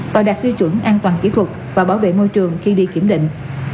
và đạt tiêu chuẩn an toàn kỹ thuật và bảo vệ môi trường khi đi kiểm định